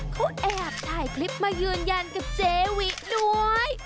เขาแอบถ่ายคลิปมายืนยันกับเจวิด้วย